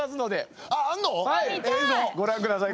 はいご覧ください。